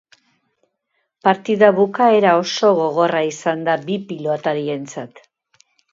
Partida bukaera oso gogorra izan da bi pilotarientzat.